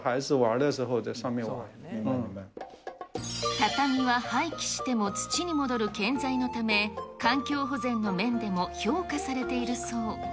畳は廃棄しても土に戻る建材のため、環境保全の面でも評価されているそう。